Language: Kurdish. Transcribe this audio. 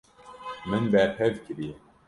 Min berhev kiriye.